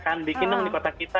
kan bikinnya di kota kita